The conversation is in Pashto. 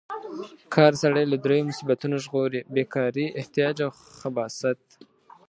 کار سړی له دریو مصیبتونو ژغوري: بې کارۍ، احتیاج او خباثت.